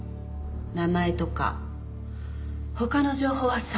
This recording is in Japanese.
名前とか他の情報はさっぱり。